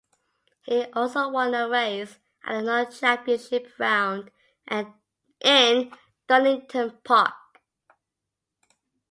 He also won a race at the Non-Championship round in Donington Park.